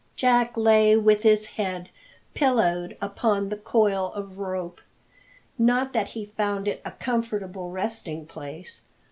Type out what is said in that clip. Jack lay with his head pillowed upon the coil of rope. Not that he found it a comfortable resting place.